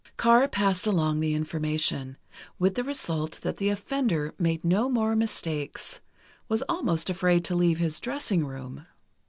Carr passed along the information, with the result that the offender made no more mistakes—was almost afraid to leave his dressing room.